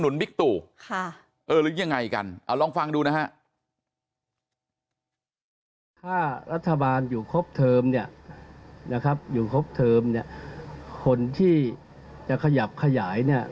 หรือยังไงกันลองฟังดูนะฮะ